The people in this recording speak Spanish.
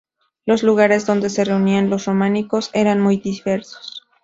Los lugares donde se reunían los románticos eran muy diversos.